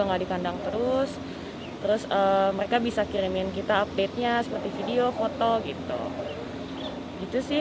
nggak dikandang terus terus mereka bisa kirimin kita update nya seperti video foto gitu sih